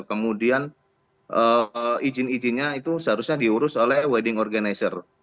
kemudian izin izinnya itu seharusnya diurus oleh wedding organizer